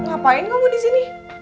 apa yang kamu lakukan di sini